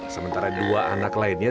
sementara dua anak lainnya